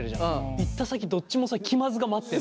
行った先どっちもさ気まずが待ってる。